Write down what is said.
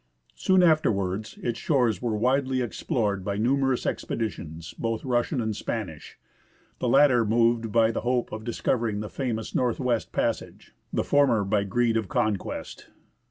Soon after wards its shores were widely explored by numerous expeditions, both Russian and Spanish ; the latter moved by the hope of dis covering the famous North west Passage, the former by greed of conquest.